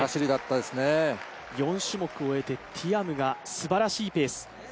４種目を終えてティアムがすばらしいペース。